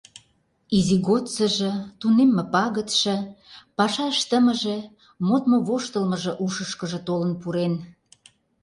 Изи годсыжо, тунемме пагытше, паша ыштымыже, модмо-воштылмыжо ушышкыжо толын пурен.